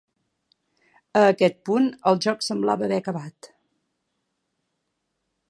A aquest punt, el joc semblava haver acabat.